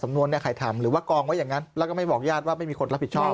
นวนเนี่ยใครทำหรือว่ากองไว้อย่างนั้นแล้วก็ไม่บอกญาติว่าไม่มีคนรับผิดชอบ